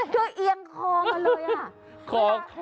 คือเอียงคอมาเลย